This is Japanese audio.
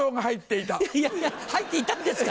いやいや入っていたんですか？